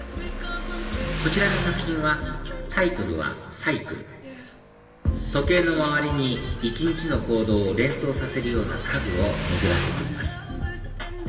こちらの作品はタイトルは『ｃｙｃｌｅ』時計の周りに一日の行動を連想させるような家具を巡らせています